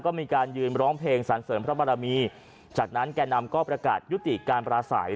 ก็มีการยืนร้องเพลงสรรเสริมพระบารมีจากนั้นแก่นำก็ประกาศยุติการปราศัย